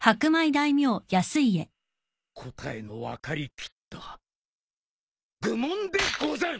答えの分かり切った愚問でござる！